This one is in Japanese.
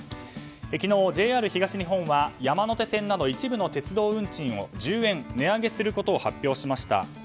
昨日ＪＲ東日本は山手線など一部の鉄道運賃を１０円値上げすることを発表しました。